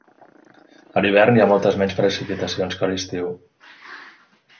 A l'hivern hi ha moltes menys precipitacions que a l'estiu.